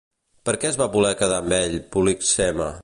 Per què es va voler quedar amb ell Políxena?